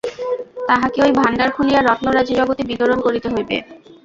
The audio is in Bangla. তাঁহাকে ঐ ভাণ্ডার খুলিয়া রত্নরাজি জগতে বিতরণ করিতে হইবে।